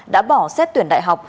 đã bỏ xét tuyển đại học